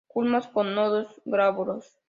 Culmos con nodos glabros.